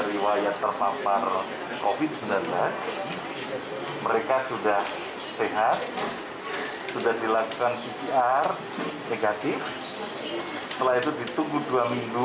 riwayat terpampar obisnana mereka sudah sehat sudah dilakukan negatif setelah itu ditunggu dua